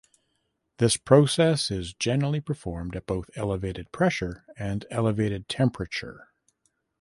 This process is generally performed at both elevated pressure and elevated temperature.